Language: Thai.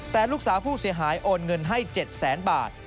แต่ลูกสาวผู้เสียหายโอนเงินให้๗แสนบาท